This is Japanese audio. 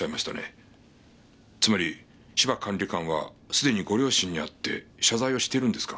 つまり芝管理官はすでにご両親に会って謝罪をしてるんですか？